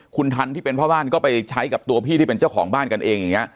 คุณทันที่เป็นพ่อบ้านก็ไปใช้กับตัวพี่ที่เป็นเจ้าของบ้านกันเองอย่างนี้